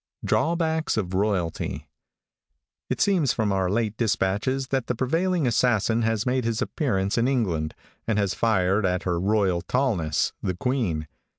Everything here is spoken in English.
DRAWBACKS OF ROYALTY. |IT seems from our late dispatches that the prevailing assassin has made his appearance in England, and has fired at Her Royal Tallness, the Queen.